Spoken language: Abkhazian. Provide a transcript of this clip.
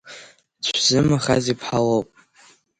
Ҵәзы Махаз иԥҳа лоуп.